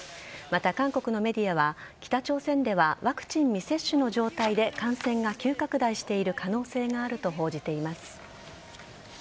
また、韓国のメディアは北朝鮮ではワクチン未接種の状態で感染が急拡大している可能性があると報じています。